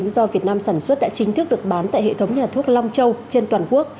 do việt nam sản xuất đã chính thức được bán tại hệ thống nhà thuốc long châu trên toàn quốc